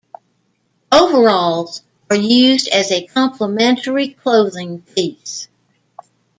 Overalls are used as a complementary clothing piece.